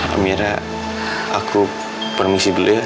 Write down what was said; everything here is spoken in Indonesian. amira aku permisi dulu ya